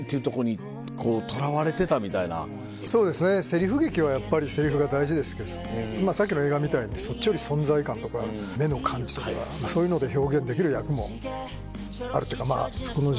セリフ劇はやっぱりセリフが大事ですけどさっきの映画みたいにそっちより存在感とか目の感じとかそういうので表現できる役もあるっていうかそこの。